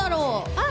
あっ！